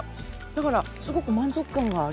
だからすごく満足感があります。